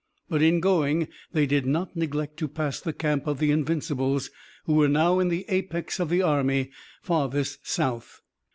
But in going they did not neglect to pass the camp of the Invincibles who were now in the apex of the army farthest south.